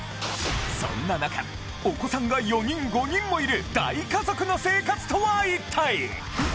そんな中お子さんが４人５人もいる大家族の生活とは一体！？